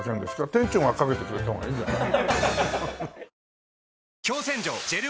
店長がかけてくれた方がいいんじゃない？